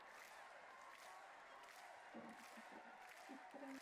Je plavání pod vodou na jeden nádech a měří se při ní vzdálenost.